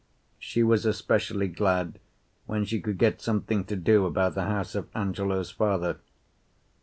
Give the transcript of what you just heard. She was especially glad when she could get something to do about the house of Angelo's father.